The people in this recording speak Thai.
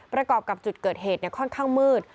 ประกอบกับจุดเกิดเหตุค่อนข้างมืด